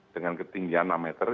dengan ketinggian enam meter